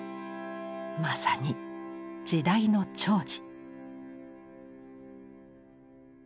まさに時代の寵児。